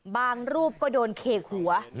รูปก็โดนเขกหัว